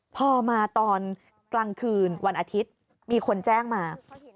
พอมาตอนกลางคืนวันอาทิตย์มีคนแจ้งมา